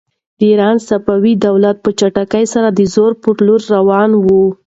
د ایران صفوي دولت په چټکۍ سره د زوال پر لور روان و.